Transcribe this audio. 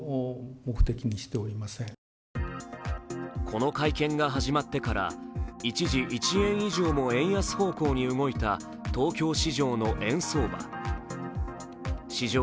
この会見が始まってから一時１円以上も円安方向に動いた東京市場の円相場。